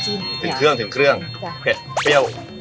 เท่าตรงจริงแซ่บถึงเครื่องเสียว